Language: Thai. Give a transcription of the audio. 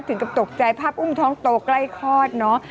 ถึงกับตกใจภาพอุ้มท้องโตใกล้คลอดเนอะ